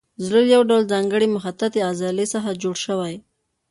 زړه له یو ډول ځانګړې مخططې عضلې څخه جوړ شوی.